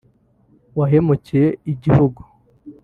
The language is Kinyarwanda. wahemukiye igihugu